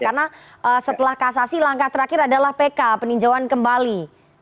karena setelah kasasi langkah terakhir adalah pk peninjauan kembali